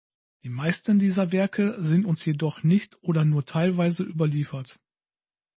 Die meisten dieser Werke sind uns jedoch nicht oder nur teilweise überliefert.